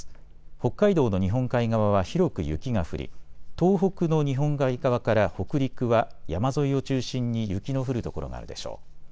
北海道の日本海側は広く雪が降り東北の日本海側から北陸は山沿いを中心に雪の降る所があるでしょう。